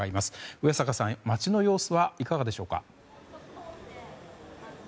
上坂さん、街の様子はいかがでしょうか。